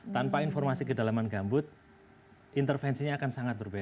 tanpa informasi kedalaman gambut intervensinya akan sangat berbeda